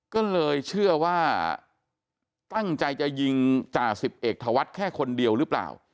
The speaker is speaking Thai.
ก็เลยเชื่อว่าตั้งใจจะยิงจ่าสิบเอกธวัฒน์แค่คนเดียวหรือเปล่า